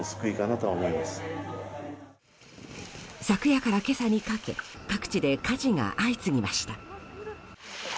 昨夜から今朝にかけ各地で火事が相次ぎました。